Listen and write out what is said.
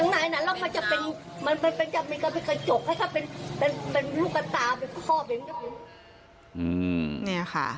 ในนั้นเรามันก็เป็นกระจกแค่เป็นลูกตาเป็นขอบ